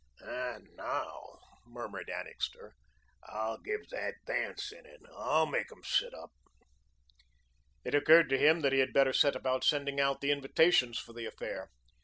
"And, now," murmured Annixter, "I'll give that dance in it. I'll make 'em sit up." It occurred to him that he had better set about sending out the invitations for the affair.